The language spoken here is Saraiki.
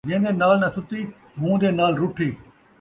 جین٘دے نال ناں سُتی ، ہوں دے نال رُٹھی